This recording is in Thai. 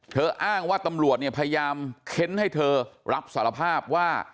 เธออ้างว่าตำรวจพยายามเข็นให้เธอรับสารภาพว่า